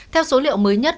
theo số liệu mới nhất